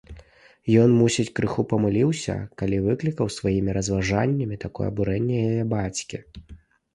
Ён, мусіць, крыху памыліўся, калі выклікаў сваімі разважаннямі такое абурэнне яе бацькі.